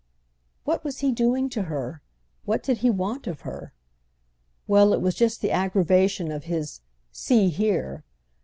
What was he doing to her? What did he want of her? Well, it was just the aggravation of his "See here!"